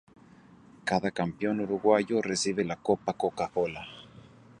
Cada Campeón Uruguayo recibe la "Copa Coca-Cola".